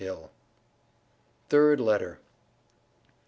HILL. THIRD LETTER.